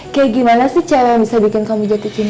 kayak gimana sih cewe bisa bikin kamu jatuh cinta